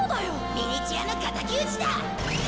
ミニチュアの敵討ちだ！